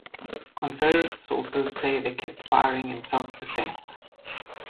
Confederate sources say they kept firing in self-defense.